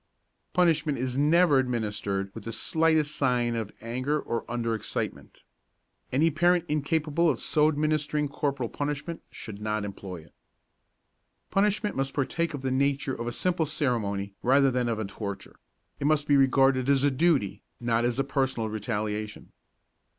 Punishment is never administered with the slightest sign of anger or under excitement. Any parent incapable of so administering corporal punishment should not employ it. Punishment must partake of the nature of a simple ceremony rather than of a torture; it must be regarded as a duty, not as a personal retaliation.